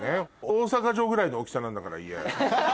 大阪城ぐらいの大きさなんだから家。